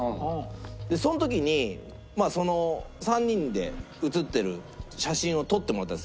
その時に３人で写ってる写真を撮ってもらったんですね